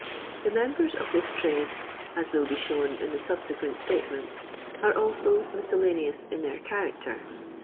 The members of this trade (as will be shown in the subsequent statements) are also " miKella neous" in their character.